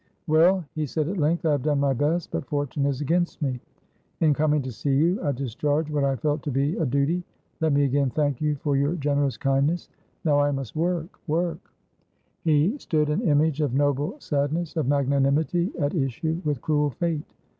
"Well," he said at length, "I have done my best, but fortune is against me. In coming to see you, I discharged what I felt to be a duty. Let me again thank you for your generous kindness. Now I must work, work" He stood an image of noble sadness, of magnanimity at issue with cruel fate.